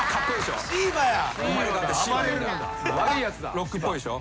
ロックっぽいでしょ。